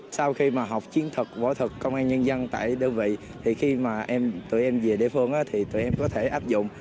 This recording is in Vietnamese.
sau khi mà học chiến thuật võ thuật công an nhân dân tại đơn vị thì khi mà em tụi em về địa phương thì tụi em có thể áp dụng